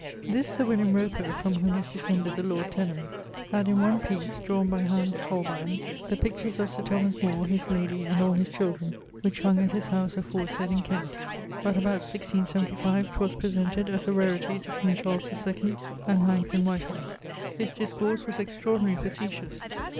This Sir Roper (from whom is descended the lord Tenham) had in one piece, drawne by Hans Holbeine, the pictures of Sir Thomas More, his lady, and all his children, which hung at his house aforesaid in Kent: but about 1675 'twas presented as a raritie to King Charles II and hangs in Whitehall. His discourse was extraordinary facetious.